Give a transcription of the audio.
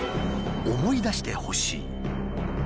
思い出してほしい。